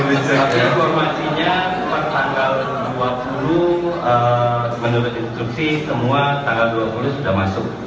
informasinya per tanggal dua puluh menurut instruksi temuan tanggal dua puluh sudah masuk